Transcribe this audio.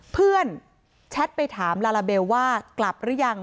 แชทไปถามลาลาเบลว่ากลับหรือยัง